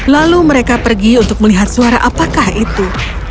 lalu mereka pergi untuk melihat suara apakah itu